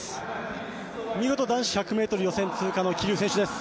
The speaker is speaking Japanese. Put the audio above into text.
見事、男子１００ｍ予選通過の桐生選手です。